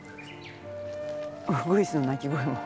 ウグイスの鳴き声も。